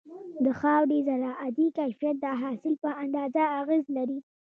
د خاورې زراعتي کيفيت د حاصل په اندازه اغېز لري.